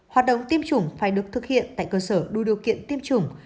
hoạt động tiêm chủng phải được thực hiện tại cơ sở đủ điều kiện tiêm chủng